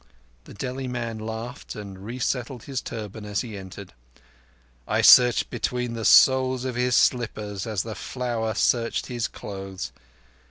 The Delhi man laughed and resettled his turban as he entered. "I searched between the soles of his slippers as the Flower searched his clothes.